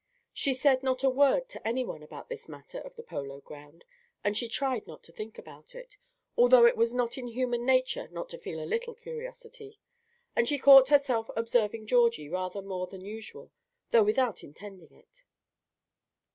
She said not a word to any one about this matter of the Polo Ground, and she tried not to think about it; although it was not in human nature not to feel a little curiosity, and she caught herself observing Georgie rather more than usual, though without intending it.